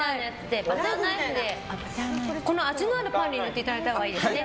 バターナイフで味のあるパンに塗っていただいたほうがいいですね。